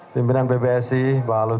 pemimpinan pbb pbsi mbak ludwig dan seluruh